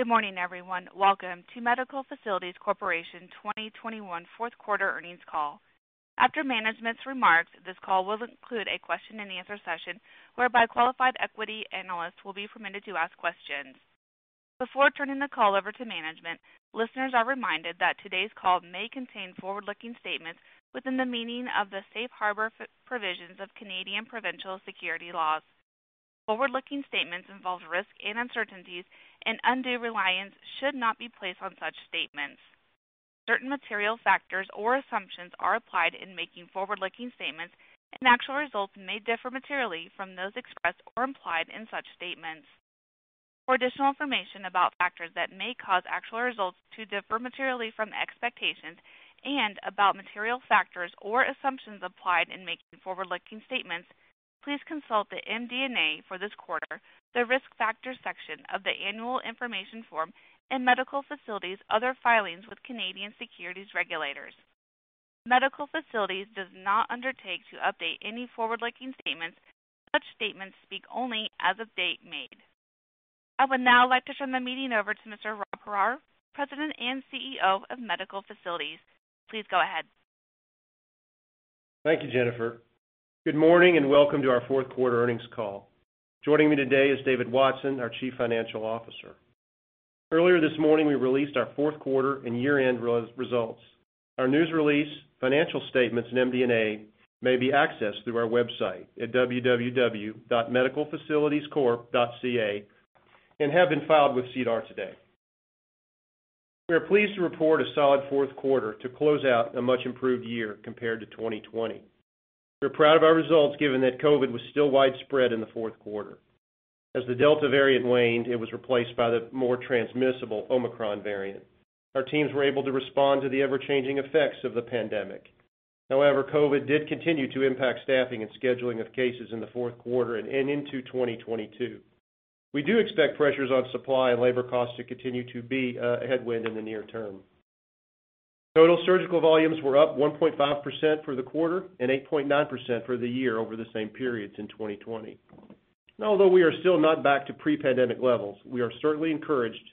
Good morning, everyone. Welcome to Medical Facilities Corporation 2021 fourth quarter earnings call. After management's remarks, this call will include a question-and-answer session whereby qualified equity analysts will be permitted to ask questions. Before turning the call over to management, listeners are reminded that today's call may contain forward-looking statements within the meaning of the safe harbor provisions of Canadian provincial securities laws. Forward-looking statements involve risks and uncertainties, and undue reliance should not be placed on such statements. Certain material factors or assumptions are applied in making forward-looking statements, and actual results may differ materially from those expressed or implied in such statements. For additional information about factors that may cause actual results to differ materially from expectations and about material factors or assumptions applied in making forward-looking statements, please consult the MD&A for this quarter, the Risk Factors section of the Annual Information Form, and Medical Facilities other filings with Canadian securities regulators. Medical Facilities does not undertake to update any forward-looking statements. Such statements speak only as of the date made. I would now like to turn the meeting over to Mr. Rob Horrar, President and CEO of Medical Facilities. Please go ahead. Thank you, Jennifer. Good morning, and welcome to our fourth quarter earnings call. Joining me today is David Watson, our Chief Financial Officer. Earlier this morning, we released our fourth quarter and year-end results. Our news release, financial statements, and MD&A may be accessed through our website at www.medicalfacilitiescorp.ca and have been filed with SEDAR today. We are pleased to report a solid fourth quarter to close out a much improved year compared to 2020. We're proud of our results given that COVID was still widespread in the fourth quarter. As the Delta variant waned, it was replaced by the more transmissible Omicron variant. Our teams were able to respond to the ever-changing effects of the pandemic. However, COVID did continue to impact staffing and scheduling of cases in the fourth quarter and into 2022. We do expect pressures on supply and labor costs to continue to be a headwind in the near term. Total surgical volumes were up 1.5% for the quarter and 8.9% for the year over the same periods in 2020. Although we are still not back to pre-pandemic levels, we are certainly encouraged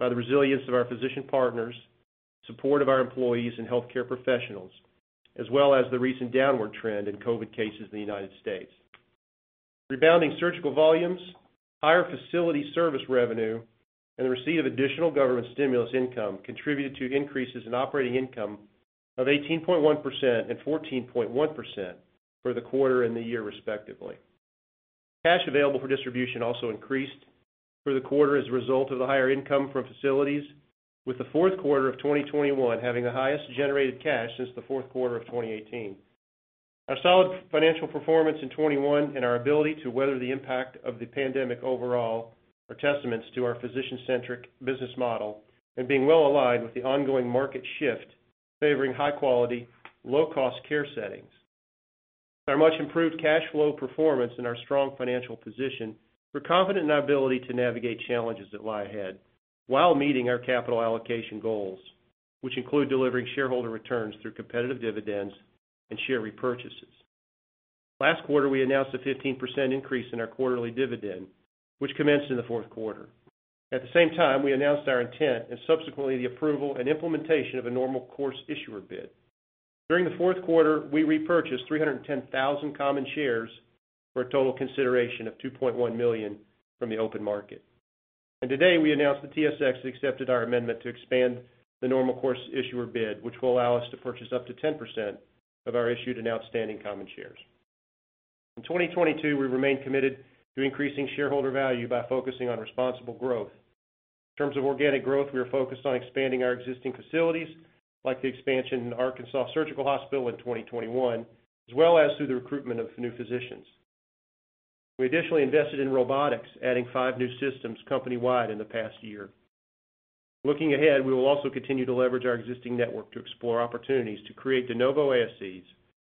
by the resilience of our physician partners, support of our employees and healthcare professionals, as well as the recent downward trend in COVID cases in the United States. Rebounding surgical volumes, higher facility service revenue, and the receipt of additional government stimulus income contributed to increases in operating income of 18.1% and 14.1% for the quarter and the year respectively. Cash available for distribution also increased for the quarter as a result of the higher income from facilities, with the fourth quarter of 2021 having the highest generated cash since the fourth quarter of 2018. Our solid financial performance in 2021 and our ability to weather the impact of the pandemic overall are testaments to our physician-centric business model and being well aligned with the ongoing market shift favoring high quality, low-cost care settings. Our much improved cash flow performance and our strong financial position. We're confident in our ability to navigate challenges that lie ahead while meeting our capital allocation goals, which include delivering shareholder returns through competitive dividends and share repurchases. Last quarter, we announced a 15% increase in our quarterly dividend, which commenced in the fourth quarter. At the same time, we announced our intent and subsequently the approval and implementation of a normal course issuer bid. During the fourth quarter, we repurchased 310,000 common shares for a total consideration of $2.1 million from the open market. Today, we announced the TSX accepted our amendment to expand the normal course issuer bid, which will allow us to purchase up to 10% of our issued and outstanding common shares. In 2022, we remain committed to increasing shareholder value by focusing on responsible growth. In terms of organic growth, we are focused on expanding our existing facilities, like the expansion in Arkansas Surgical Hospital in 2021, as well as through the recruitment of new physicians. We additionally invested in robotics, adding 5 new systems company-wide in the past year. Looking ahead, we will also continue to leverage our existing network to explore opportunities to create de novo ASCs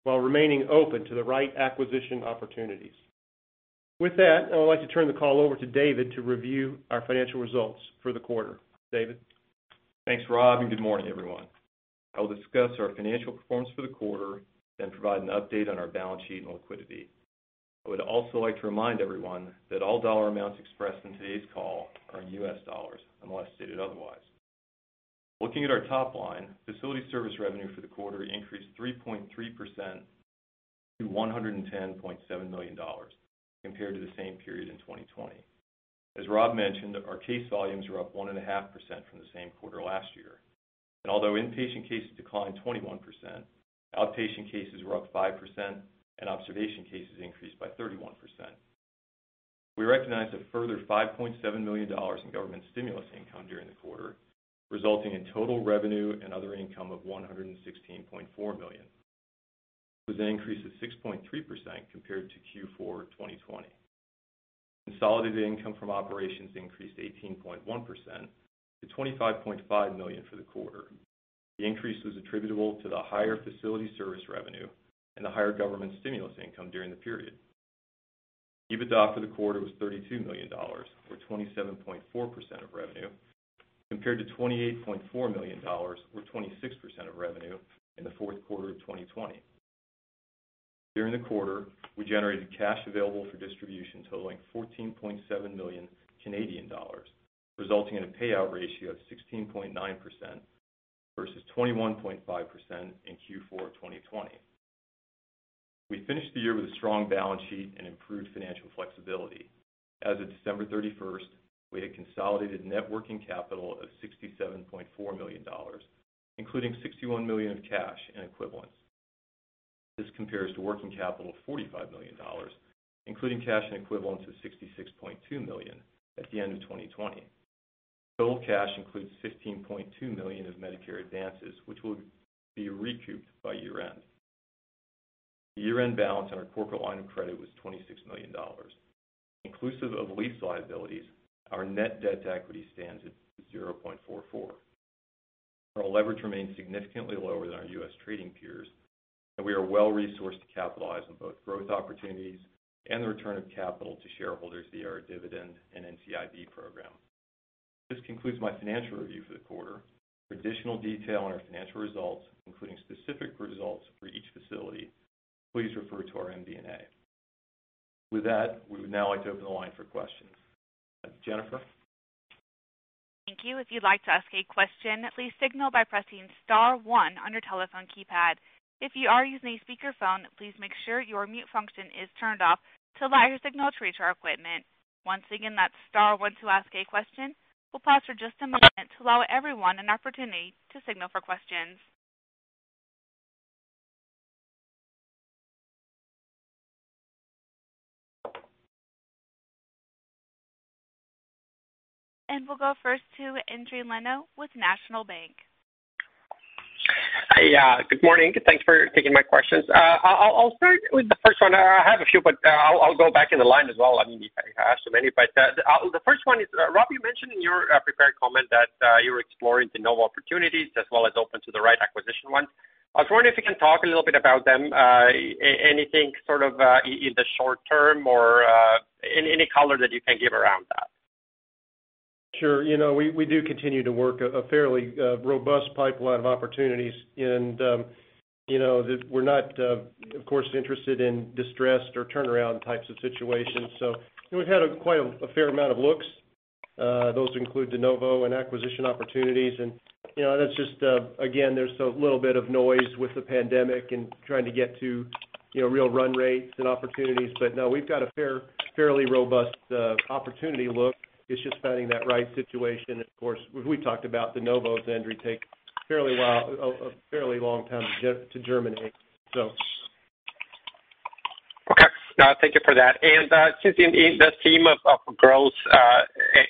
while remaining open to the right acquisition opportunities. With that, I would like to turn the call over to David to review our financial results for the quarter. David? Thanks, Rob, and good morning, everyone. I will discuss our financial performance for the quarter and provide an update on our balance sheet and liquidity. I would also like to remind everyone that all dollar amounts expressed in today's call are in U.S., dollars, unless stated otherwise. Looking at our top line, facility service revenue for the quarter increased 3.3% to $110.7 million compared to the same period in 2020. As Rob mentioned, our case volumes were up 1.5% from the same quarter last year. Although inpatient cases declined 21%, outpatient cases were up 5%, and observation cases increased by 31%. We recognized a further $5.7 million in government stimulus income during the quarter, resulting in total revenue and other income of $116.4 million. It was an increase of 6.3% compared to Q4 2020. Consolidated income from operations increased 18.1% to $25.5 million for the quarter. The increase was attributable to the higher facility service revenue and the higher government stimulus income during the period. EBITDA for the quarter was $32 million, or 27.4% of revenue, compared to $28.4 million, or 26% of revenue, in the fourth quarter of 2020. During the quarter, we generated cash available for distribution totaling 14.7 million Canadian dollars, resulting in a payout ratio of 16.9% versus 21.5% in Q4 2020. We finished the year with a strong balance sheet and improved financial flexibility. As of December 31, we had consolidated net working capital of $67.4 million, including $61 million of cash and equivalents. This compares to working capital of $45 million, including cash and equivalents of $66.2 million at the end of 2020. Total cash includes $15.2 million of Medicare advances, which will be recouped by year end. The year-end balance on our corporate line of credit was $26 million. Inclusive of lease liabilities, our net debt to equity stands at 0.44. Our leverage remains significantly lower than our U.S. trading peers, and we are well-resourced to capitalize on both growth opportunities and the return of capital to shareholders via our dividend and NCIB program. This concludes my financial review for the quarter. For additional detail on our financial results, including specific results for each facility, please refer to our MD&A. With that, we would now like to open the line for questions. Jennifer? Thank you. If you'd like to ask a question, please signal by pressing * one on your telephone keypad. If you are using a speakerphone, please make sure your mute function is turned off to allow your signal to reach our equipment. Once again, that's * one to ask a question. We'll pause for just a moment to allow everyone an opportunity to signal for questions. We'll go first to Endri Lico with National Bank. Hi. Good morning. Thanks for taking my questions. I'll start with the first one. I have a few, but I'll go back in the line as well. I mean, if I ask so many, but the first one is, Rob, you mentioned in your prepared comment that you were exploring de novo opportunities as well as open to the right acquisition ones. I was wondering if you can talk a little bit about them. Anything sort of in the short term or any color that you can give around that. Sure. You know, we do continue to work a fairly robust pipeline of opportunities and, you know, we're not, of course, interested in distressed or turnaround types of situations. We've had quite a fair amount of looks. Those include de novo and acquisition opportunities and, you know, that's just, again, there's a little bit of noise with the pandemic and trying to get to, you know, real run rates and opportunities. No, we've got a fairly robust opportunity look. It's just finding that right situation. Of course, we've talked about de novos, Endri, take a fairly long time to germinate, so. Okay. No, thank you for that. Since in the theme of growth,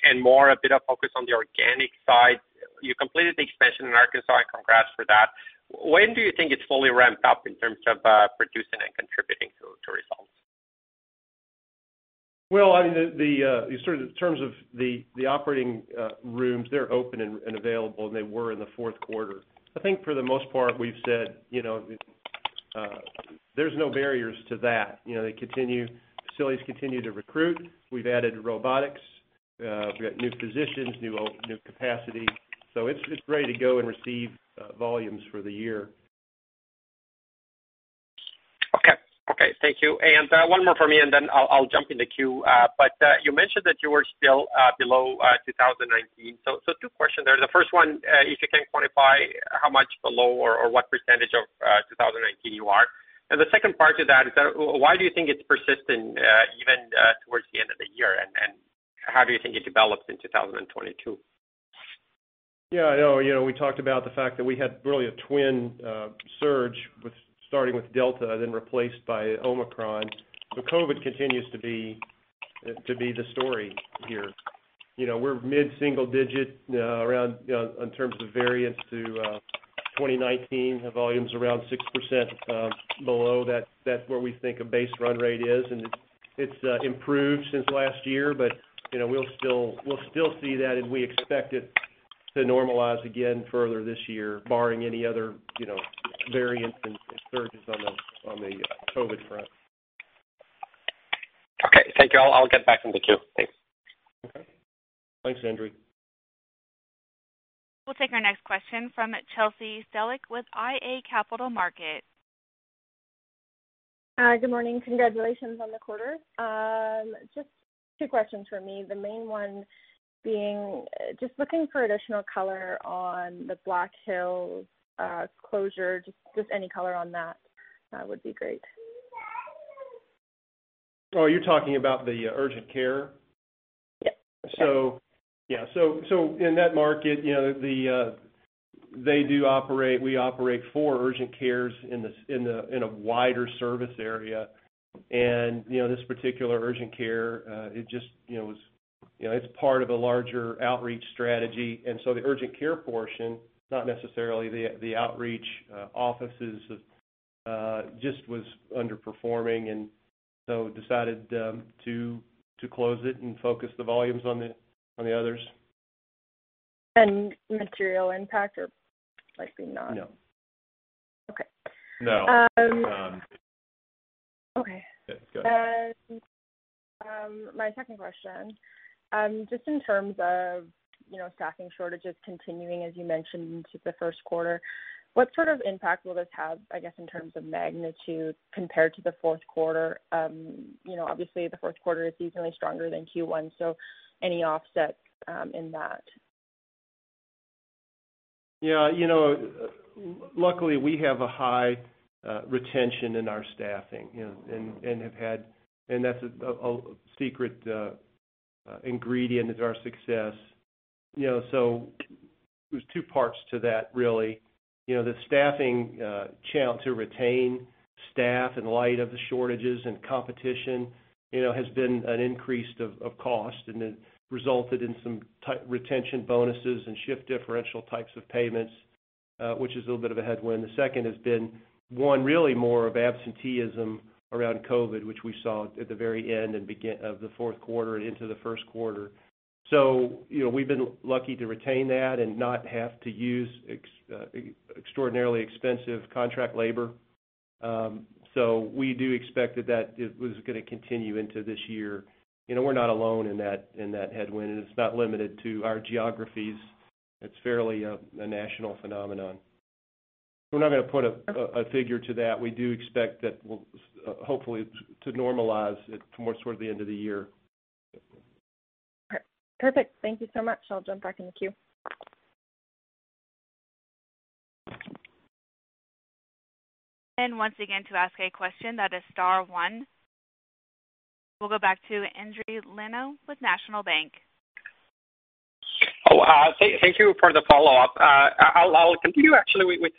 and more a bit of focus on the organic side, you completed the expansion in Arkansas. Congrats for that. When do you think it's fully ramped up in terms of producing and contributing to results? Well, I mean, the sort of terms of the operating rooms, they're open and available, and they were in the fourth quarter. I think for the most part, we've said, you know, there's no barriers to that. You know, they continue, facilities continue to recruit. We've added robotics, we've got new physicians, new capacity, so it's ready to go and receive volumes for the year. Okay. Thank you. One more for me, and then I'll jump in the queue. You mentioned that you were still below 2019. Two questions there. The first one, if you can quantify how much below or what percentage of 2019 you are. The second part to that is why do you think it's persistent, even towards the end of the year. How do you think it develops in 2022? Yeah, I know. You know, we talked about the fact that we had really a twin surge starting with Delta then replaced by Omicron. COVID continues to be the story here. You know, we're mid-single digit around in terms of variance to 2019. The volume's around 6% below that. That's where we think a base run rate is, and it's improved since last year, but you know, we'll still see that, and we expect it to normalize again further this year, barring any other you know, variants and surges on the COVID front. Okay. Thank you. I'll get back in the queue. Thanks. Okay. Thanks, Endri. We'll take our next question from Chelsea Stellick with iA Capital Markets. Hi. Good morning. Congratulations on the quarter. Just two questions from me. The main one being just looking for additional color on the Black Hills closure. Just any color on that would be great. Oh, you're talking about the urgent care? Yep. Sure. Yeah, in that market, you know, we operate four urgent cares in a wider service area. You know, this particular urgent care, it just, you know, was, you know, it's part of a larger outreach strategy. The urgent care portion, not necessarily the outreach offices, just was underperforming, so decided to close it and focus the volumes on the others. Material impact or likely not? No. Okay. No. Okay. Yeah. Go ahead. My second question, just in terms of, you know, staffing shortages continuing as you mentioned into the first quarter, what sort of impact will this have, I guess, in terms of magnitude compared to the fourth quarter? You know, obviously the fourth quarter is seasonally stronger than Q1, so any offsets in that? Yeah, you know, luckily we have a high retention in our staffing, you know, and have had. That's a secret ingredient of our success. You know, there's two parts to that really. You know, the staffing challenge to retain staff in light of the shortages and competition, you know, has been an increase of cost, and it resulted in some retention bonuses and shift differential types of payments, which is a little bit of a headwind. The second has been really more of absenteeism around COVID, which we saw at the very end of the fourth quarter and into the first quarter. You know, we've been lucky to retain that and not have to use extraordinarily expensive contract labor. We do expect that is gonna continue into this year. You know, we're not alone in that headwind. It's not limited to our geographies. It's fairly a national phenomenon. We're not gonna put a figure to that. We do expect that we'll hopefully normalize it more toward the end of the year. Perfect. Thank you so much. I'll jump back in the queue. Once again, to ask a question, that is * one. We'll go back to Endri Lico with National Bank. Thank you for the follow-up. I'll continue actually with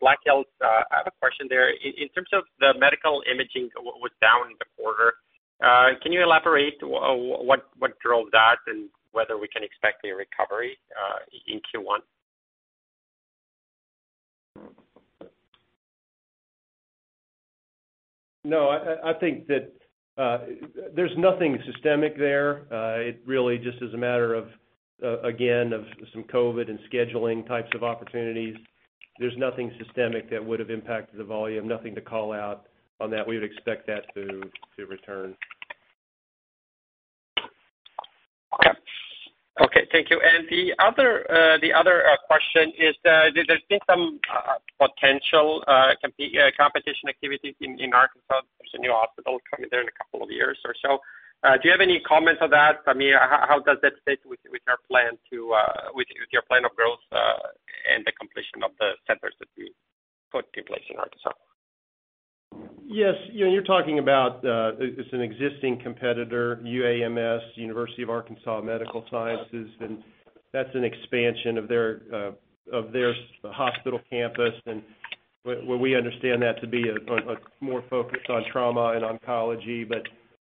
Black Hills. I have a question there. In terms of the medical imaging was down in the quarter, can you elaborate what drove that and whether we can expect a recovery in Q1? No, I think that there's nothing systemic there. It really just is a matter of again, of some COVID and scheduling types of opportunities. There's nothing systemic that would have impacted the volume, nothing to call out on that. We would expect that to return. Okay. Thank you. The other question is that there's been some potential competition activity in Arkansas. There's a new hospital coming there in a couple of years or so. Do you have any comments on that? I mean, how does that fit with your plan of growth and the completion of the centers that you put in place in Arkansas? Yes. You know, you're talking about, it's an existing competitor, UAMS, University of Arkansas for Medical Sciences, and that's an expansion of their hospital campus. Where we understand that to be more focused on trauma and oncology.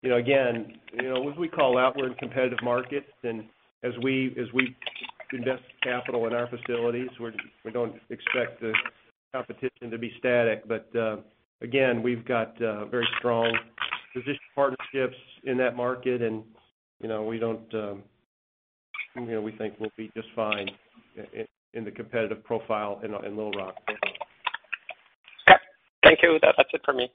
You know, again, you know, as we call out, we're in competitive markets, and as we invest capital in our facilities, we don't expect the competition to be static. Again, we've got very strong physician partnerships in that market and, you know, we don't, you know, we think we'll be just fine in the competitive profile in Little Rock. Okay. Thank you. That's it for me.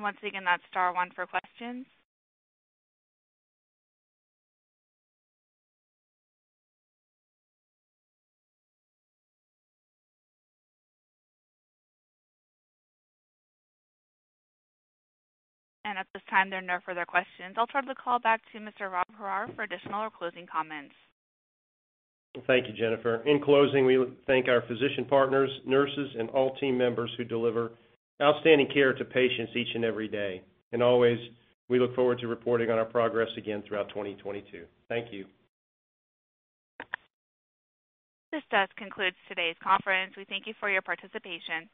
Once again, that's * one for questions. At this time, there are no further questions. I'll turn the call back to Mr. Rob Horrar for additional or closing comments. Thank you, Jennifer. In closing, we thank our physician partners, nurses, and all team members who deliver outstanding care to patients each and every day. We look forward to reporting on our progress again throughout 2022. Thank you. This does conclude today's conference. We thank you for your participation.